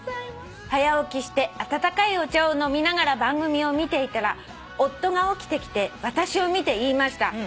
「早起きして温かいお茶を飲みながら番組を見ていたら夫が起きてきて私を見て言いました」